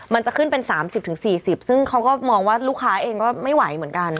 มันจะขึ้นเป็น๓๐๔๐ซึ่งเขาก็มองว่าลูกค้าเองก็ไม่ไหวเหมือนกัน